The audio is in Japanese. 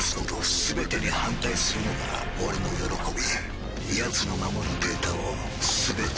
全てに反対するのが俺の喜びやつの守るデータを全て奪うのだ！